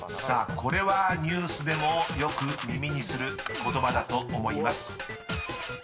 ［さあこれはニュースでもよく耳にする言葉だと思います］